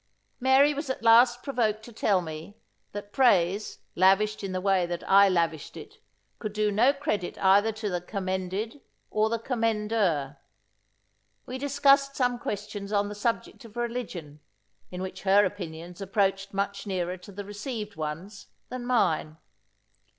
Mary was at last provoked to tell me, that praise, lavished in the way that I lavished it, could do no credit either to the commended or the commender. We discussed some questions on the subject of religion, in which her opinions approached much nearer to the received ones, than mine.